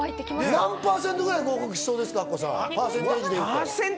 何％ぐらい合格できそうですか？